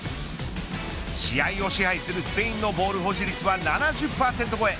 試合を支配するスペインのボール保持率は７０％超え。